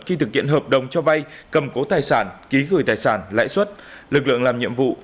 khi thực hiện hợp đồng cho vay cầm cố tài sản ký gửi tài sản lãi suất lực lượng làm nhiệm vụ